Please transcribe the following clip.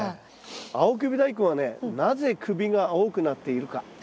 青首ダイコンはねなぜ首が青くなっているか。